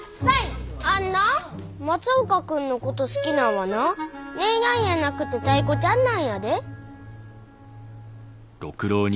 あんな松岡君のこと好きなんはな姉やんやなくてタイ子ちゃんなんやで。